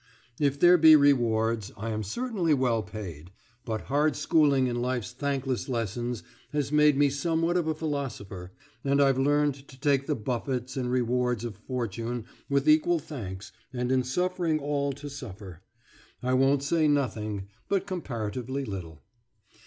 If there be rewards, I am certainly well paid, but hard schooling in life's thankless lessons has made we somewhat of a philosopher, and I've learned to take the buffets and rewards of fortune with equal thanks, and in suffering all to suffer I won't say nothing, but comparatively little.